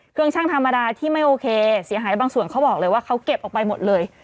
เครื่องชั่งธรรมดาที่ไม่โอเคเสียหายบางส่วนเขาบอกเลยว่าเขาเก็บออกไปหมดเลย